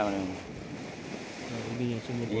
ini yang sumur bor